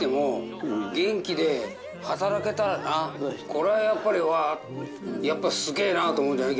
これはやっぱりやっぱすげえなって思うんじゃない？